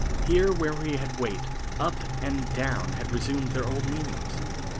Here where we had weight "up" and "down" had resumed their old meanings.